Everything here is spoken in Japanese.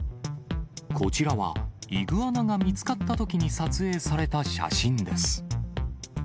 こちらは、イグアナが見つかったときに撮影された写真です。